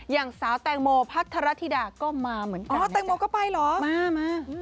อย่างสาวแตงโมพัทรธิดาก็มาเหมือนกันอ๋อแตงโมก็ไปเหรอมามา